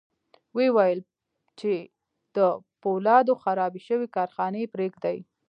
ويې ويل چې د پولادو خرابې شوې کارخانې پرېږدي.